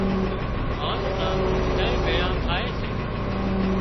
هانز نان ٻڌانئين ڀيۯان ٿائي سي